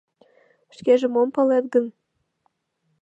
— Шкеже мом палет гын?